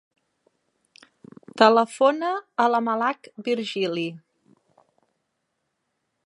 Telefona a la Malak Virgili.